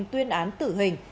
tuyên án tử hình